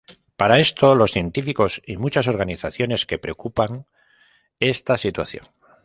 Para esto, los científicos y muchas organizaciones que preocupan esta situación.